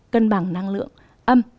cân bằng năng lượng âm